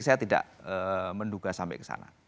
saya tidak menduga sampai ke sana